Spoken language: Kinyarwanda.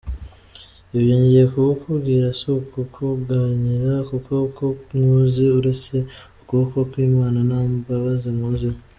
Ibyo ngiye kukubwira su kukuganyira kuko uko nkuzi, uretse ukuboko kw Imana, ntambabazi nkuziho.